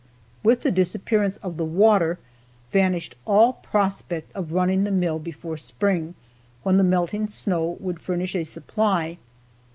With the disappearance of the water vanished all prospect of running the mill before spring, when the melting snow would furnish a supply.